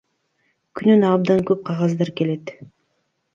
Күнүнө абдан көп кагаздар келет.